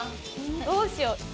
どうしよう。